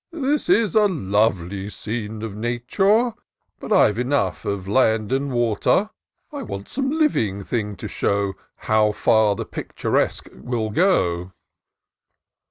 " This is a lovely seene of nature ; But I've eiMmgh of land and water : I want some living thing to show How far the Picturesque will go."